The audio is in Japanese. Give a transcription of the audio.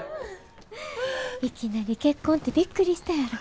いきなり結婚ってびっくりしたやろ？